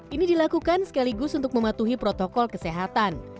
ini dilakukan sekaligus untuk mematuhi protokol kesehatan